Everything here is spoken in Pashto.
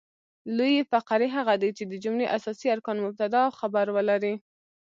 لویي فقرې هغه دي، چي د جملې اساسي ارکان مبتداء او خبر ولري.